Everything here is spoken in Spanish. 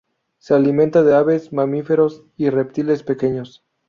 Se alimenta de aves, mamíferos y reptiles pequeños.